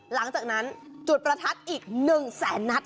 หลังจากนั้นจุดประทัดอีก๑แสนนัด